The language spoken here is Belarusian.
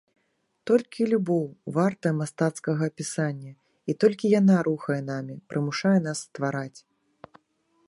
Толькі любоў вартая мастацкага апісання і толькі яна рухае намі, прымушае нас ствараць.